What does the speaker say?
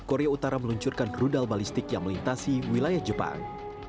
korea utara meluncurkan rudal balistik yang melintasi wilayah jepang